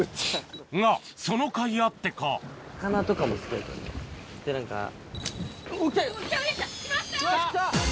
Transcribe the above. がそのかいあってか・きました！